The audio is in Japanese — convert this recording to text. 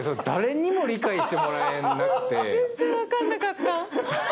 全然分かんなかった。